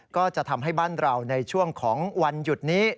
ก็จะทำให้บ้านเราในช่วงของวันหยุดนี้